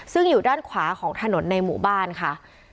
ซึ่งอยู่ด้านขวาของถนนในหมู่บ้านค่ะ